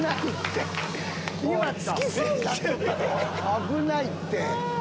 危ないって。